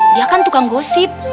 dia kan tukang gosip